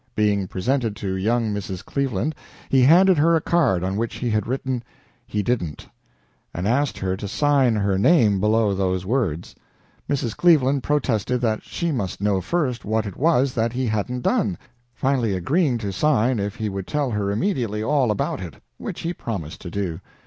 Being presented to young Mrs. Cleveland, he handed her a card on which he had written, "He didn't," and asked her to sign her name below those words. Mrs. Cleveland protested that she must know first what it was that he hadn't done, finally agreeing to sign if he would tell her immediately all about it, which he promised to do.